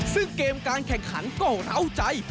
ซึ่งเกมการแข่งขันก็เอาใจ